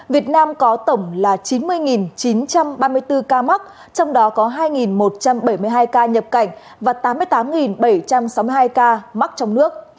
việt nam có tổng là chín mươi chín trăm ba mươi bốn ca mắc trong đó có hai một trăm bảy mươi hai ca nhập cảnh và tám mươi tám bảy trăm sáu mươi hai ca mắc trong nước